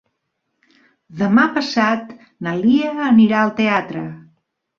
Demà passat na Lia anirà al teatre.